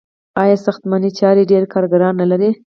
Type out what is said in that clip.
آیا ساختماني چارې ډیر کارګران نلري؟